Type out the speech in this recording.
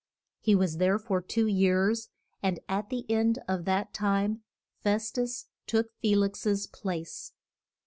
He was there for two years, and at the end of that time Fes tus took Fe lix's place.